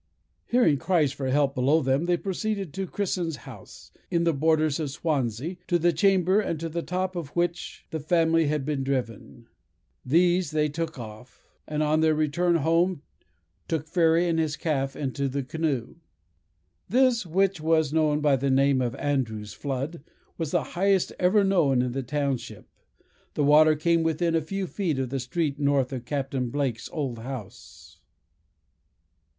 Hearing cries for help below them, they proceeded to Crissen's House, in the borders of Swanzey, to the chamber and to the top of which the family had been driven. These they took off, and, on their return home, took Ferry and his calf into the canoe. This, which was known by the name of Andrew's flood, was the highest ever known in the township. The water came within a few feet of the street north of Captain Blake's old house."